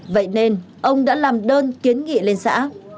vậy nên ông đã làm đơn kiến nghị lên xã